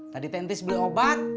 tadi tentis beli obat